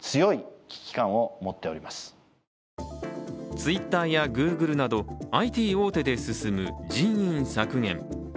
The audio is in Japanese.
ＴｗｉｔｔｅｒやグーグルなどＩＴ大手で進む人員削減。